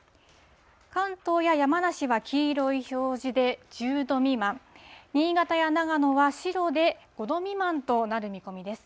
関東や山梨は黄色い表示で１０度未満、新潟や長野は白で５度未満となる見込みです。